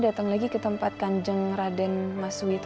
saya kembali datang ke tempat kajian rada masa itu